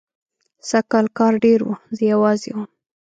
سږکال کار ډېر و، زه یوازې وم.